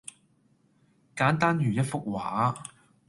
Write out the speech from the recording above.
簡單如一幅畫